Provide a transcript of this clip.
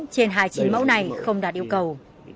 một mươi chín trên hai mươi chín mẫu này không đạt yêu cầu